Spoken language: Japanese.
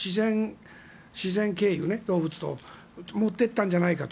自然経由ね、動物が持って行ったんじゃないかと。